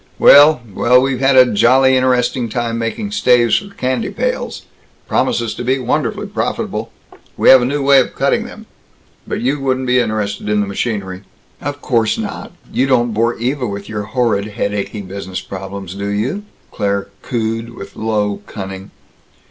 Well Well, we've had a jolly interesting time making staves for candy pails promises to be wonderfully profitable. We have a new way of cutting them. But you wouldn't be interested in the machinery." "Of course not. You don't bore Eva with your horrid, headachy business problems, do you?" Claire cooed, with low cunning.